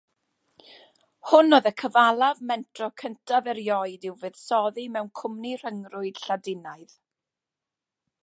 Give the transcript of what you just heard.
Hwn oedd y cyfalaf mentro cyntaf erioed i'w fuddsoddi mewn cwmni Rhyngrwyd Lladinaidd.